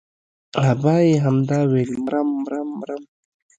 ابا يې همدا ويل مرم مرم مرم.